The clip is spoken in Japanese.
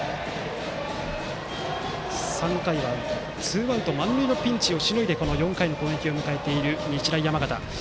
３回はツーアウト満塁のピンチをしのぎ４回の攻撃を迎えている日大山形。